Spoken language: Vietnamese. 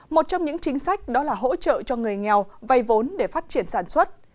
một trong những chính sách đó là hỗ trợ cho người nghèo vay vốn để phát triển sản xuất